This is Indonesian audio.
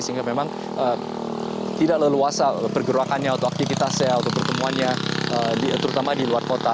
sehingga memang tidak leluasa pergerakannya atau aktivitasnya atau pertemuannya terutama di luar kota